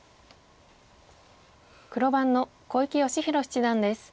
黒番の小池芳弘七段です。